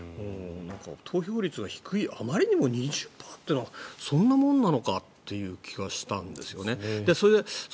投票率が低い、あまりにも２０％というのはそんなもんなのかという気がしたんですよね。